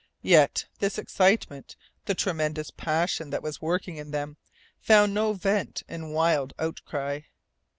Yet this excitement, the tremendous passion that was working in them, found no vent in wild outcry.